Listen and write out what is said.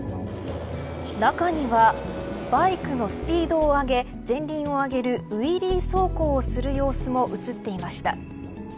中にはバイクのスピードを上げ前輪を上げるウイリー走行をする様子も映っていました。